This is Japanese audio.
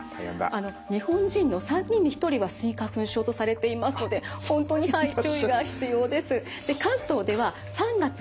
日本人の３人に１人はスギ花粉症とされていますので本当に注意が必要です。